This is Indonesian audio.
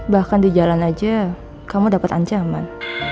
bahkan di jalan aja kamu dapat ancaman